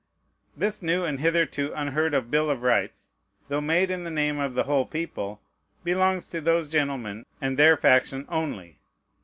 This new, and hitherto unheard of bill of rights, though made in the name of the whole people, belongs to those gentlemen and their faction only.